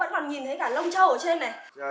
cái này là da trâu thật đấy cháu ạ